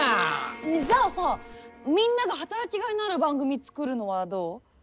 ねえじゃあさみんなが働きがいのある番組作るのはどう？